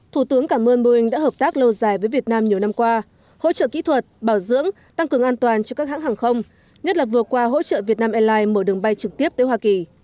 thủ tướng cảm ơn boeing đã hợp tác lâu dài với việt nam nhiều năm qua hỗ trợ kỹ thuật bảo dưỡng tăng cường an toàn cho các hãng hàng không nhất là vừa qua hỗ trợ việt nam airlines mở đường bay trực tiếp tới hoa kỳ